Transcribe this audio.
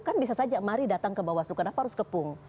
kan bisa saja mari datang ke bawah sukan apa harus kepung